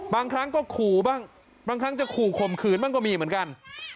บางครั้งก็ขู่บ้างบางครั้งจะขู่ข่มขืนบ้างก็มีเหมือนกัน